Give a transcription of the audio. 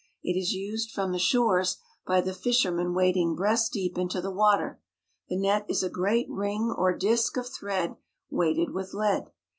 It is used from the shores by the fishermen wading breast deep into the water. The net is a great ring or disk of thread weighted with lead.